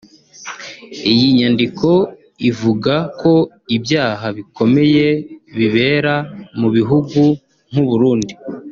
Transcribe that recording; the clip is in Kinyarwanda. Iyi nyandiko ivuga ko ibyaha bikomeye bibera mu bihugu nk’u Burundi